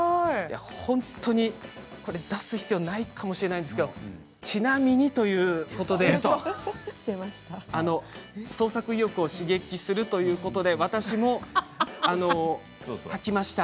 これは出す必要がないかもしれませんけれどちなみにということで創作意欲を刺激するということで私も描きました。